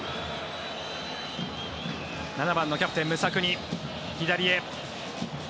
７番のキャプテン、ムサクニ左へ。